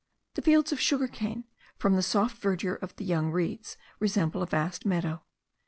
The fields of sugar cane, from the soft verdure of the young reeds, resemble a vast meadow.